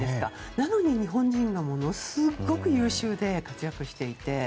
なのに、日本人がものすごく優秀で活躍していて。